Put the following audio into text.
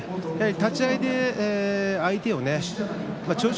立ち合いで相手を千代翔